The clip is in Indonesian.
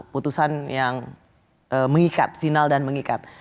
putusan yang mengikat final dan mengikat